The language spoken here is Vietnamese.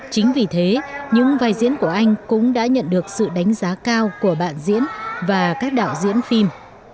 chính vì thế những vai diễn của anh cũng đã nhận được sự đánh giá cao của bạn diễn và các đạo diễn phim